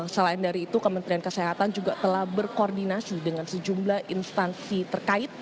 selain dari itu kementerian kesehatan juga telah berkoordinasi dengan sejumlah instansi terkait